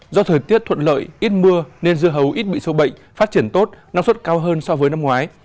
do thời tiết thuận lợi ít mưa nên dưa hấu ít bị sâu bệnh phát triển tốt năng suất cao hơn so với năm ngoái